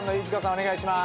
お願いします。